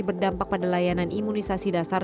berdampak pada layanan imunisasi dasar